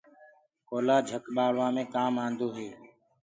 ڪوئيِلو جھڪ بآݪوآ مي ڪآن آندو هي۔